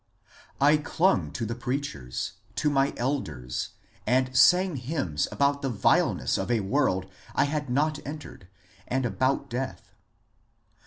I clung to the preachers, to my elders, and sang hymns about the vileness of a world I had not entered, and about death.